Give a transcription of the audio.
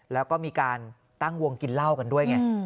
แล้วก็มีการตั้งวงกินเหล้ากันด้วยไง